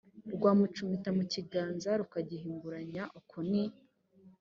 rwamucumita mu kiganza rukagihinguranya uko ni